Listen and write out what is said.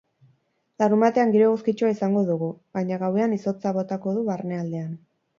Larunbatean giro eguzkitsua izango dugu, baina gauean izotza botako du barnealdean.